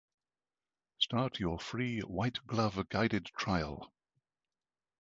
Start Your Free White Glove Guided Trial